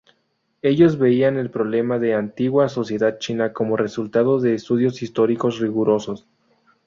Ellos veían el problema de antigua sociedad china como resultando de estudios históricos rigurosos.